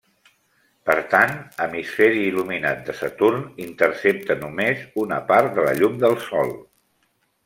Per tant hemisferi il·luminat de Saturn intercepta només una part de la llum del Sol.